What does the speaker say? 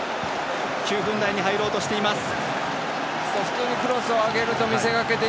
９分台に入ろうとしています。